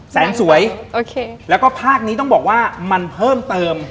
แสงสวยโอเคแล้วก็ภาคนี้ต้องบอกว่ามันเพิ่มเติม